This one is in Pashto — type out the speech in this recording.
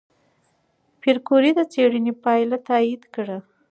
پېیر کوري د څېړنې پایله تایید کړه.